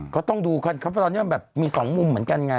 ก็ต้องดูครับเพราะว่าตอนนี้มี๒มุมเหมือนกันไง